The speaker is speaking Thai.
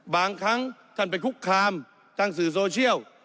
บางครั้งท่านไปคุกคามตั้งสื่อโซเชียล